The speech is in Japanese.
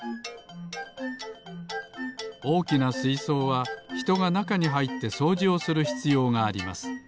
おおきなすいそうはひとがなかにはいってそうじをするひつようがあります。